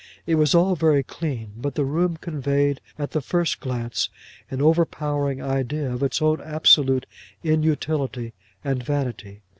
It was all very clean, but the room conveyed at the first glance an overpowering idea of its own absolute inutility and vanity.